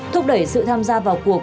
thúc đẩy sự tham gia vào cuộc